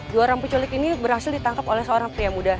dua orang penculik ini berhasil ditangkap oleh seorang pria muda